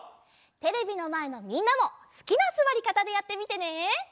テレビのまえのみんなもすきなすわりかたでやってみてね！